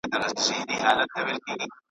له باده سره الوزي پیمان په باور نه دی .